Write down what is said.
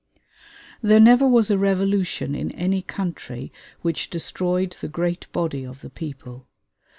There never was a revolution in any country which destroyed the great body of the people.